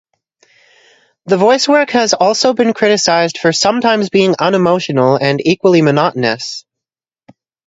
The voicework has also been criticized for sometimes being unemotional and equally monotonous.